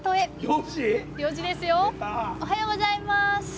おはようございます。